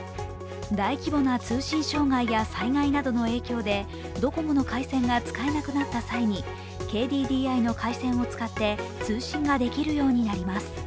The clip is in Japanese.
大規模な通信障害や災害などの影響でドコモの回線が使えなくなった際にＫＤＤＩの回線を使って通信ができるようになります。